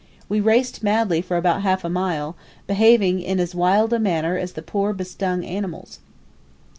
We raced madly for about half a mile, behaving in as wild a manner as the poor bestung animals.